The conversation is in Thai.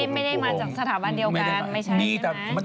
ไม่ได้มาจากสถาบันเดียวกันไม่ใช่